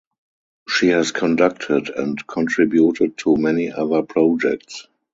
She has conducted and contributed to many other projects.